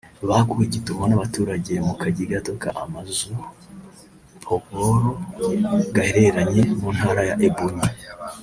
baguwe gitumo n’abaturage mu kajyi gato ka Amauzu Mkpoghoro gaherereye mu ntara ya Ebonyi